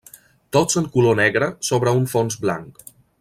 Tots en color negre sobre un fons blanc.